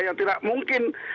yang tidak mungkin